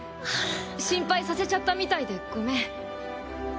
心配させちゃったみたいでごめん。